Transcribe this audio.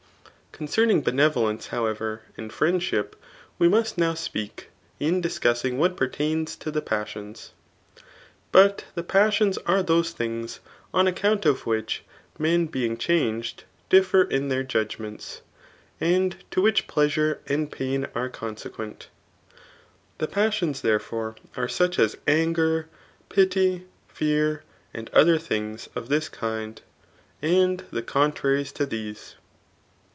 Con cerning benevolence, however, and friendship we must now speak, in discussing what pertains to the pasaons. But the passions are those thing3, on accouiu of which inen being; changed, differ in their judgments, and to which pleasure and pain are consec^ueqt. The passion^ therefore, are such as anger, pity, fear, and other things tsi this kinfl, and the contraries to these..